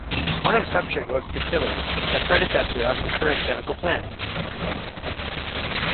One exception was the distillery, the predecessor of the current chemical plant.